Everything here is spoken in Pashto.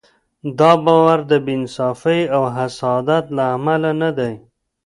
دا باور د بې انصافۍ او حسادت له امله نه دی.